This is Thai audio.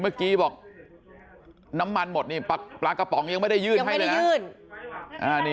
แบบเกี่ยวกฎน้ำมันหมดปลากระป๋องยังไม่ได้ยื่น